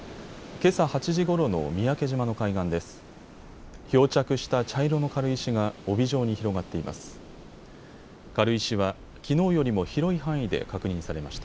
けさ８時ごろの三宅島の海岸です。